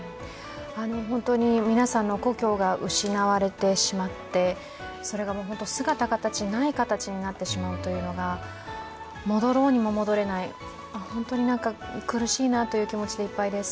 本当に皆さんの故郷が失われてしまって、それが姿形ない形になってしまうということが戻ろうにも戻れない、本当に苦しいなという気持でいっぱいです。